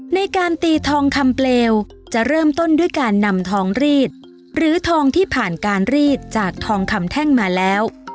ในการตีทองคำเปลวจะเริ่มต้นด้วยการนำทองรีดหรือทองที่ผ่านการรีดจากทองคำแท่งมาแล้ว